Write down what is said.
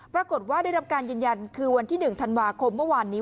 ปรากฏว่าได้รับการยืนยันคือวันที่๑ธันวาคมเมื่อวานนี้